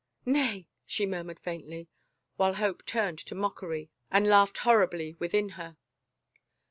" Nay," she murmured faintly, while hope turned to mockery and laughed horribly within her.